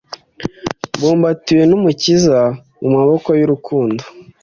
Mbu mbatiwe n’ umukiza mu ma boko y’ urukundo